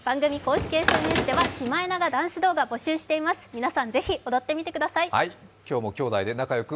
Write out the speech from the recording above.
皆さん、ぜひ踊ってみてください。